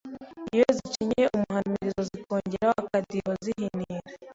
Iyo zicinye umuhamirizo Zikongeraho akadiho zinihira